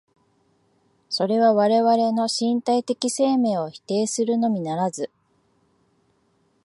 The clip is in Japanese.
それは我々の身体的生命を否定するのみならず、